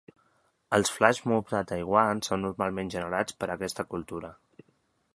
Els "flash mob" a Taiwan són normalment generats per aquesta cultura.